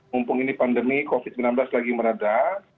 mumpung ini pandemi covid sembilan belas lagi merada